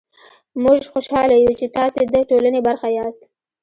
موژ خوشحاله يو چې تاسې ده ټولني برخه ياست